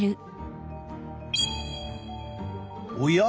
おや？